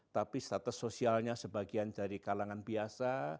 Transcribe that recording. tapi status sosialnya sebagian dari kalangan biasa